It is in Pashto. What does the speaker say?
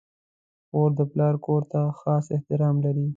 خور د پلار کور ته خاص احترام لري.